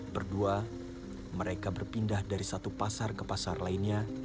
berdua mereka berpindah dari satu pasar ke pasar lainnya